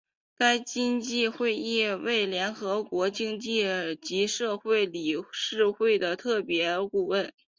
该基金会亦为联合国经济及社会理事会的特别顾问。